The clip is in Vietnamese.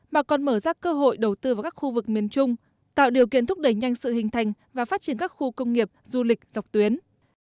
mà còn mở ra cơ hội đầu tư vào các khu vực miền trung tạo điều kiện thúc đẩy nhanh sự hình thành và phát triển các khu công nghiệp du lịch dọc tuyến